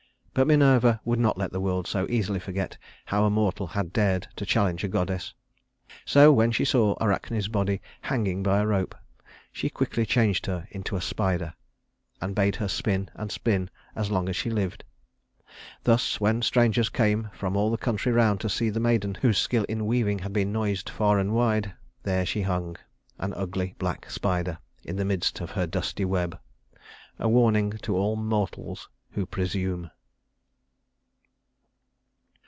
But Minerva would not let the world so easily forget how a mortal had dared to challenge a goddess; so when she saw Arachne's body hanging by a rope, she quickly changed her into a spider, and bade her spin and spin as long as she lived. Thus when strangers came from all the country round to see the maiden whose skill in weaving had been noised far and wide, there she hung an ugly black spider in the midst of her dusty web a warning to all mortals who presume.